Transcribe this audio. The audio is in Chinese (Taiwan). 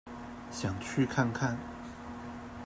想去看看